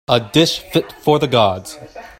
A dish fit for the gods